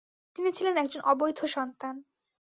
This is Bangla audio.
তিনি ছিলেন একজন অবৈধ সন্তান।